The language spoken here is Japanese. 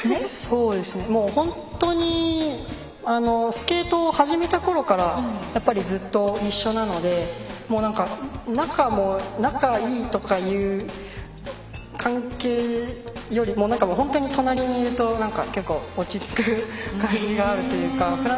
本当にスケートを始めたころからずっと一緒なので仲いいとかいう関係よりも本当に隣にいると落ち着く感じがあるというか。